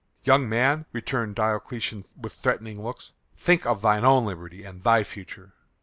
"Young man," returned Diocletian with threatening looks, "think of thine own liberty and thy future."